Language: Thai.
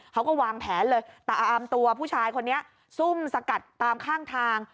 เขาก็วางแผนเลยตามตัวผู้ชายคนนี้ซุ่มสกัดตามข้างทาง